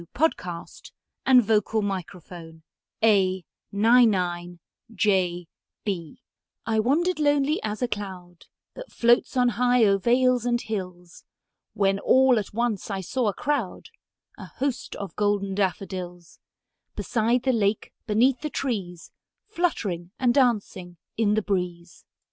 William Wordsworth I Wandered Lonely As a Cloud I WANDERED lonely as a cloud That floats on high o'er vales and hills, When all at once I saw a crowd, A host, of golden daffodils; Beside the lake, beneath the trees, Fluttering and dancing in the breeze.